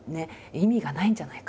意味がないんじゃないか。